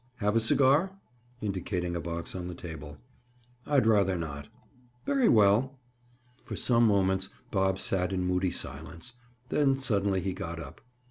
"Have a cigar?" Indicating a box on the table. "I'd rather not." "Very well!" For some moments Bob sat in moody silence. Then suddenly he got up.